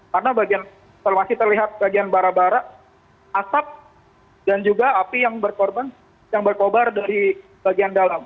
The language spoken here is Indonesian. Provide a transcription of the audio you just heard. karena bagian masih terlihat bagian bara bara asap dan juga api yang berkobar dari bagian dalam